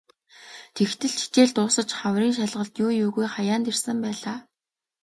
Тэгтэл ч хичээл дуусаж хаврын шалгалт юу юугүй хаяанд ирсэн байлаа.